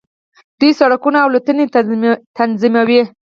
دوی سړکونه او الوتنې تنظیموي.